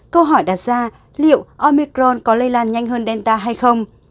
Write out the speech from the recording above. câu hỏi đặt ra liệu omicron có lây lan nhanh hơn delta hay không